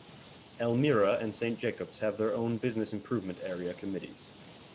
Elmira and Saint Jacobs have their own Business Improvement Area committees.